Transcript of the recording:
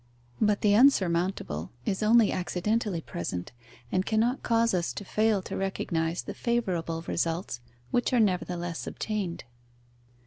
But the unsurmountable is only accidentally present, and cannot cause us to fail to recognize the favourable results which are nevertheless obtained.